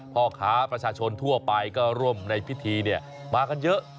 พ่อค้าประชาชนทั่วไปก็ร่วมในพิธีมากันเยอะ